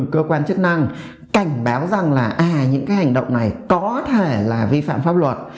cơ quan chức năng cảnh báo rằng là những cái hành động này có thể là vi phạm pháp luật